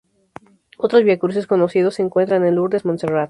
Otros vía crucis conocidos se encuentran en Lourdes, Montserrat.